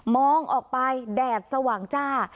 มองออกไปแดดสว่างจ้า